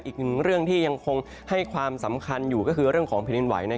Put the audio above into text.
อีกหนึ่งเรื่องที่ยังคงให้ความสำคัญอยู่ก็คือเรื่องของแผ่นดินไหว